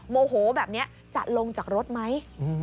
โมโหแบบนี้จะลงจากรถไหม